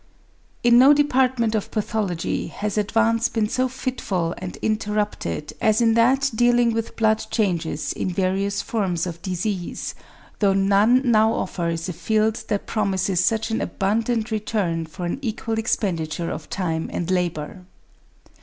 In no department of Pathology has advance been so fitful and interrupted as in that dealing with blood changes in various forms of disease, though none now offers a field that promises such an abundant return for an equal expenditure of time and labour.